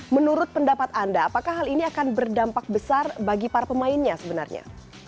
menurut pendapat anda apakah hal ini akan berdampak besar bagi para pemainnya sebenarnya